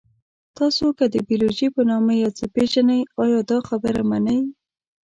تاسو که د بیولوژي په نامه یو څه پېژنئ، ایا دا خبره منئ؟